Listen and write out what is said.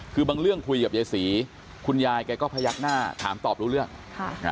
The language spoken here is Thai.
คือบางเรื่องคุยกับยายศรีคุณยายแกก็พยักหน้าถามตอบรู้เรื่องค่ะอ่า